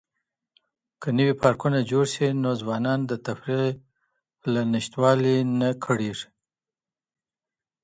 که نوي پارکونه جوړ سي، نو ځوانان د تفریح له نشتوالي نه کړیږي.